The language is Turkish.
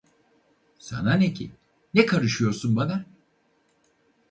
Sana ne ki, ne karışıyorsun bana?